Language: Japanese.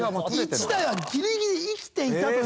１台はギリギリ生きていたという。